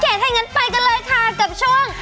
ถ้าอย่างนั้นไปกันเลยค่ะกับช่วง